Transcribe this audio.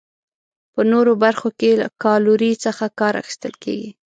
په نورو برخو کې له کالورۍ څخه کار اخیستل کیږي.